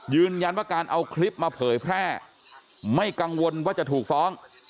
ยืนยันว่าการเอาคลิปมาเผยแพร่ไม่กังวลว่าจะถูกฟ้อง